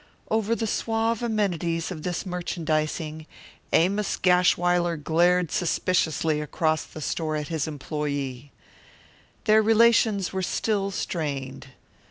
Over the suave amenities of this merchandising Amos Gashwiler glared suspiciously across the store at his employee. Their relations were still strained.